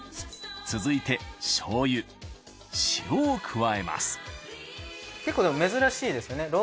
続いて結構でも珍しいですね